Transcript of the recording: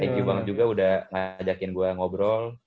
thank you banget juga udah ngajakin gue ngobrol